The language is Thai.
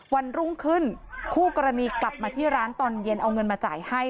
วันรุ่งขึ้นคู่กรณีกลับมาที่ร้านตอนเย็นเอาเงินมาจ่ายให้